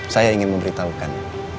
saya ingin memberitahukan